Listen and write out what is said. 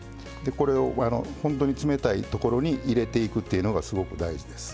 これを本当に冷たいところに入れていくっていうのがすごく大事です。